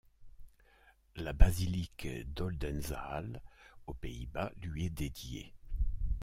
La basilique d'Oldenzaal aux Pays-Bas lui est dédiée.